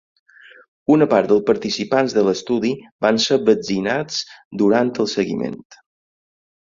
Una part dels participants de l’estudi van ser vaccinats durant el seguiment.